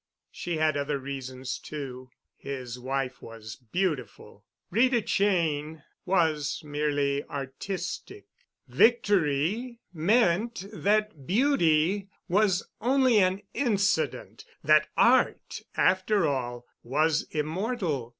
She had other reasons, too. His wife was beautiful. Rita Cheyne was merely artistic. Victory meant that Beauty was only an incident—that Art, after all, was immortal.